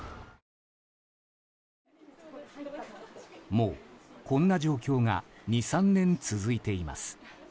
もうこんな状況が２３年続いています。